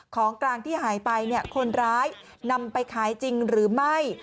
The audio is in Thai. ของกลางที่หายไปคนร้ายนำไปขายจริงหรือไม่